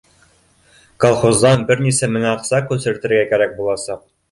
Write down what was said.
Колхоздан бер нисә мең аҡса күсертергә кәрәк буласаҡ